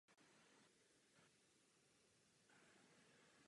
Habsburským a zanikl v důsledku postupující reformace.